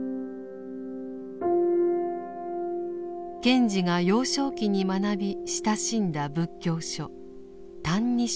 賢治が幼少期に学び親しんだ仏教書「歎異抄」。